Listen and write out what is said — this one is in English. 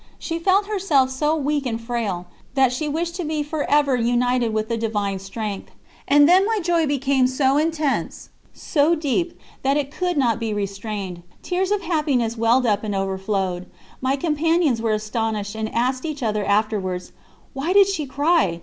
She felt herself so weak and frail, that she wished to be for ever united to the Divine Strength. And then my joy became so intense, so deep, that it could not be restrained; tears of happiness welled up and overflowed. My companions were astonished, and asked each other afterwards: "Why did she cry?